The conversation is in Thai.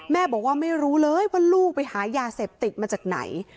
แม่บอกว่าไม่รู้เลยว่าลูกไปหายาเสพติดมาจากไหน